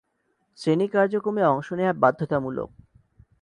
শ্রেনী কার্যক্রমে অংশ নেয়া বাধ্যতামূলক।